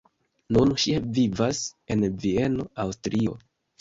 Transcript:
Nun ŝi vivas en Vieno, Aŭstrio.